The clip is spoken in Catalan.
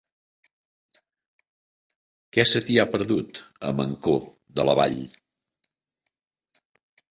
Què se t'hi ha perdut, a Mancor de la Vall?